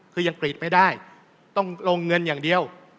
คือยังกรีดไม่ได้ต้องลงเงินอย่างเดียว